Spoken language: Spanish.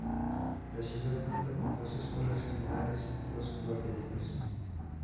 La ciudad cuenta con dos escuelas generales y dos guarderías.